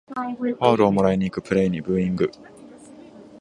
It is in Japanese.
ファールをもらいにいくプレイにブーイング